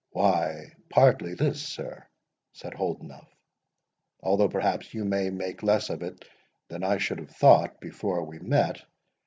"Why, partly this, sir," said Holdenough, "although perhaps you may make less of it than I should have thought before we met.